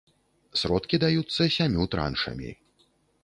Сродкі даюцца сямю траншамі.